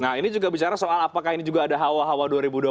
nah ini juga bicara soal apakah ini juga ada hawa hawa dua ribu dua puluh empat